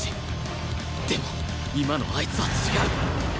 でも今のあいつは違う